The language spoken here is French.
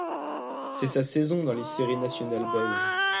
C'est sa saison dans les séries nationales belges.